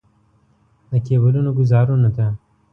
د کیبلونو ګوزارونو ته.